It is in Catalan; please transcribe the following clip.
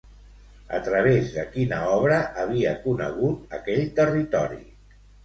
A través de quina obra havia conegut aquell territori?